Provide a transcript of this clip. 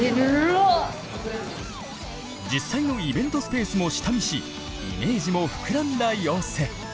実際のイベントスペースも下見しイメージも膨らんだ様子。